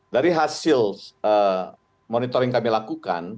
dari hasil monitoring yang kami lakukan